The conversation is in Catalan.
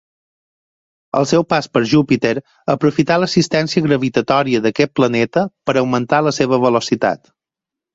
Al seu pas per Júpiter aprofità l'assistència gravitatòria d'aquest planeta per augmentar la seva velocitat.